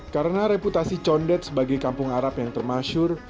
karena reputasi condet sebagai kampung arab yang termasyur